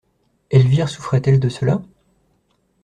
Elvire souffrait-elle de cela?